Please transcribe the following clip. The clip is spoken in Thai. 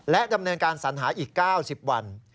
ดำเนินการสัญหาอีก๙๐วัน